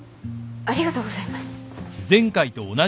ありがとうございます。